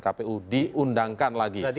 kpu diundangkan lagi